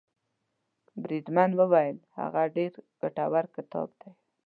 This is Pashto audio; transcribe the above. بریدمن وویل هغه ډېر ګټور کتاب دی.